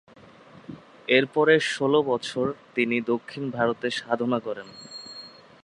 এরপরের ষোল বছর তিনি দক্ষিণ ভারতে সাধনা করেন।